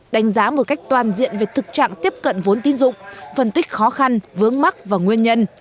đánh giá một cách toàn diện về thực trạng tiếp cận vốn tín dụng phân tích khó khăn vướng mắt và nguyên nhân